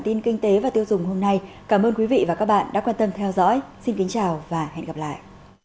xin kính chào và hẹn gặp lại